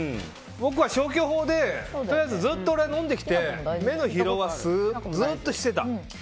僕は消去法でとりあえずずっと飲んできて目の疲労は、ずっとしてた。